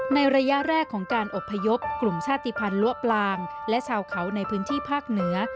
ในระยะแรกของการอบพยพกลุ่มชาติภัณฑ์ล้วปลางและชาวเขาในพื้นที่ภาคเหนือ